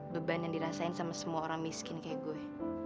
kebanyakan dirasain sama semua orang miskin kayak gue